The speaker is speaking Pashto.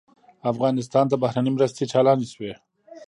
افغانستان ته بهرنۍ مرستې چالانې شوې.